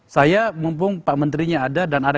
saya mumpung pak menterinya ada dan ada